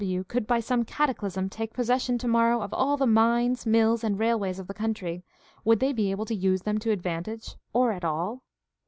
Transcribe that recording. W.W. could by some cataclysm take possession tomorrow of all the mines, mills, and railways of the country, would they be able to use them to advantage, or at all